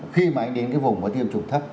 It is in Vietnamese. khi mà anh đến vùng có tiêm chủng thấp